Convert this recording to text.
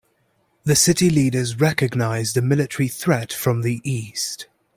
The city leaders recognized a military threat from the east.